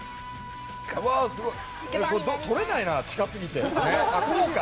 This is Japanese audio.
撮れないな、近すぎて。